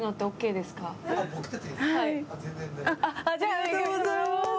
ありがとうございます。